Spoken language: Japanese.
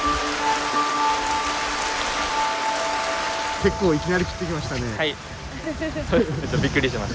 結構いきなり降ってきましたね。